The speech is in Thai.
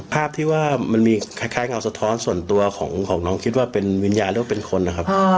ภาพที่ว่ามันมีคล้ายเงาสะท้อนส่วนตัวของน้องคิดว่าเป็นวิญญาณหรือว่าเป็นคนนะครับ